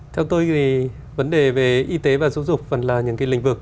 theo tôi thì vấn đề về y tế và giáo dục phần là những cái lĩnh vực